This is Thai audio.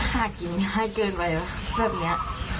หากินง่ายเกินไปแบบนี้